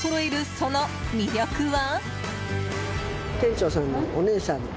その魅力は。